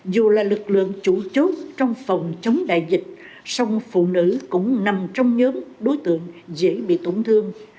dù là lực lượng chủ chốt trong phòng chống đại dịch song phụ nữ cũng nằm trong nhóm đối tượng dễ bị tổn thương